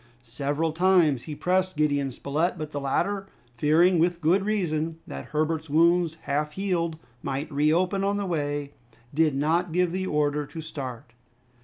Several times he pressed Gideon Spilett, but the latter, fearing, with good reason, that Herbert's wounds, half healed, might reopen on the way, did not give the order to start.